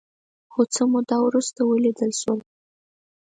خو څه موده وروسته ولیدل شول